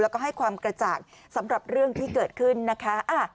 แล้วก็ให้ความกระจ่างสำหรับเรื่องที่เกิดขึ้นนะคะ